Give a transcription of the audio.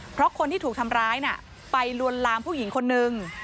เพราะคนที่ถูกทำร้ายน่ะไปลวนลามผู้หญิงคนนึง